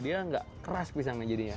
dia nggak keras pisangnya jadinya